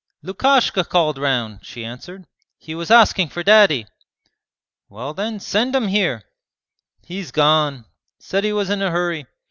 'Lukashka called round,' she answered; 'he was asking for Daddy.' 'Well then send him here!' 'He's gone; said he was in a hurry.'